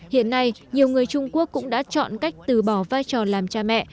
hiện nay nhiều người trung quốc cũng đã chọn cách từ bỏ vai trò làm cha mẹ